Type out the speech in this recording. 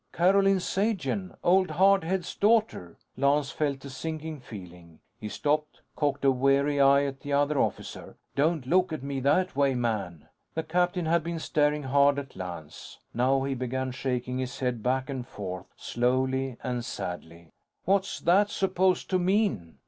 "Carolyn Sagen. Old Hard Head's daughter." Lance felt a sinking feeling. He stopped, cocked a wary eye at the other officer. "Don't look at me that way, man." The captain had been staring hard at Lance. Now, he began shaking his head back and forth, slowly and sadly. "What's that supposed to mean?"